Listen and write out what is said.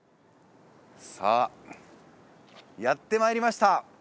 さあやってまいりました